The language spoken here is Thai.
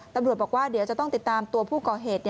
ตำรวจบอกว่าเดี๋ยวจะต้องติดตามตัวผู้ก่อเหตุ